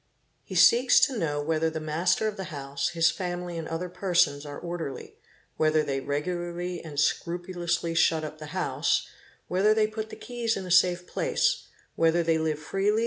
He seeks to ow whether the master of the house, his family, and other persons, orderly ; whether they regularly and scrupulously shut up the house, ee ae ome TT me ee ther they put the keys in a safe place, whether they live freely 670